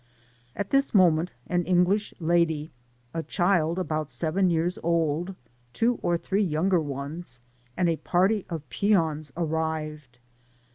At this moment an English lady, a child about seven years old, two or three younger ones, and a party of peons, arrived.